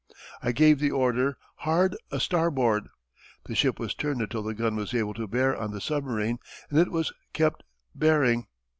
I gave the order, 'Hard a starboard.' The ship was turned until the gun was able to bear on the submarine, and it was kept bearing.